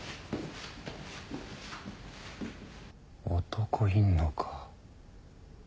男いんのか。